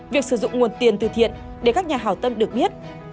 việc sử dụng nguồn tiền từ thiện để các nhà hào tâm được biết